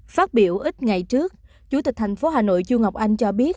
phát biểu ít ngày trước chủ tịch thành phố hà nội du ngọc anh cho biết